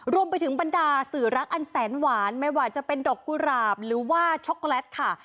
รวมไปถึงบรรดาสื่อรักอันแสนหวานไม่ว่าจะเป็นดอกกุหลาบหรือว่าช็อกโกแลตค่ะ